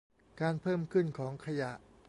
การเพิ่มขึ้นของขยะ